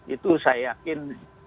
itu saya yakin